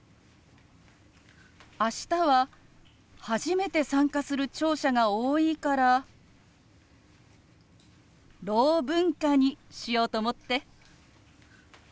明日は初めて参加する聴者が多いから「ろう文化」にしようと思って。